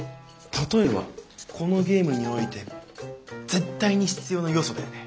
「たとえ」はこのゲームにおいて絶対に必要な要素だよね。